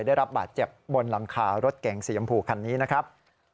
ได้รับบาดเจ็บบนหลังคารถเก่งสียำพูคันนี้นะครับ